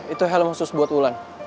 itu helm khusus buat wulan